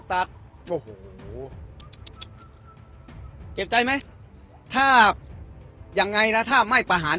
ตัดโอ้โหเจ็บใจไหมถ้ายังไงนะถ้าไม่ประหาร